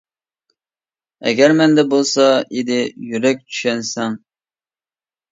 ئەگەر مەندە بولسا ئىدى يۈرەك چۈشەنسەڭ.